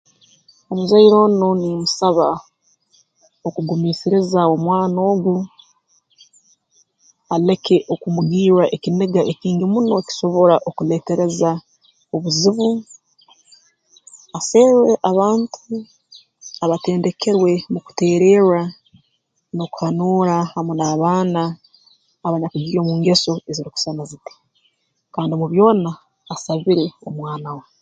Omuzaire onu nimmusaba okugumiisiriza omwana ogu aleke okumugirra ekiniga ekingi muno ekisobora okuleetereza obuzibu aserre abantu abatendekerwe mu kuteererra n'okuhanuura hamu n'abaana abanyakugiire mu ngeso ezirukusana ziti kandi mu byona asabire omwana we